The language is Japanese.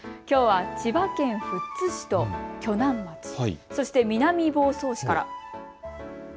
きょうは千葉県富津市と鋸南町、そして南房総市から。